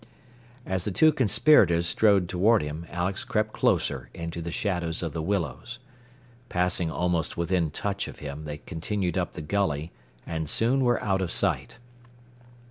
As the two conspirators strode toward him, Alex crept closer into the shadows of the willows. Passing almost within touch of him, they continued up the gully, and soon were out of sight.